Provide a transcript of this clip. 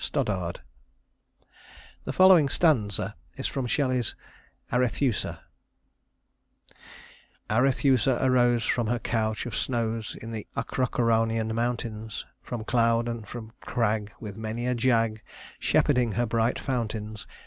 STODDARD The following stanza is from Shelley's "Arethusa:" "Arethusa arose From her couch of snows In the Acroceraunian mountains, From cloud and from crag, With many a jag, Shepherding her bright fountains.